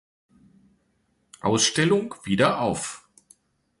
Ausstellung wieder auf.